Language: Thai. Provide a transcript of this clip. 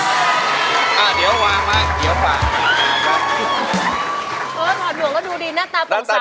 เออถอดมวกน่ะดูดีหน้าตาปังสาย